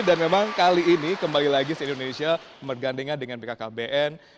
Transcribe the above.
dan memang kali ini kembali lagi cnn indonesia bergandingan dengan bkkbn